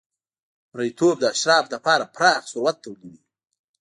مریتوب د اشرافو لپاره پراخ ثروت تولیدوي.